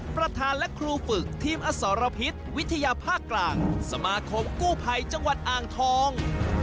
ประธานและครูฝึกทีมอสรพิษวิทยาภาคกลางสมาคมกู้ภัยจังหวัดอ่างทอง